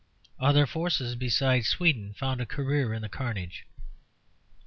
Other forces besides Sweden found a career in the carnage.